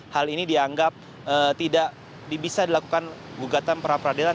hal ini dianggap tidak bisa dilakukan gugatan peradilan